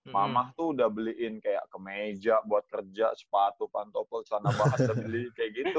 mama tuh udah beliin kayak kemeja buat kerja sepatu pantopel selana banget udah beli kayak gitu